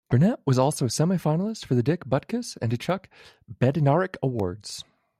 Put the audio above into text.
Burnett was also a semi-finalist for the Dick Butkus and Chuck Bednarick Awards.